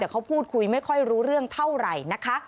เขาพูดคุยไม่ค่อยรู้เรื่องเท่าไหร่นะคะ